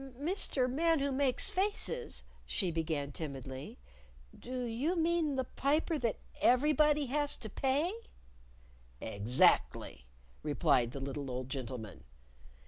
"Mr. Man Who Makes Faces," she began timidly, "do you mean the Piper that everybody has to pay?" "Exactly," replied the little old gentleman.